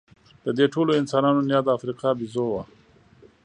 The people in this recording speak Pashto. د دې ټولو انسانانو نیا د افریقا بیزو وه.